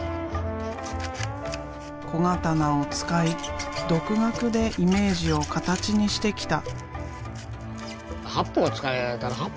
小刀を使い独学でイメージを形にしてきた。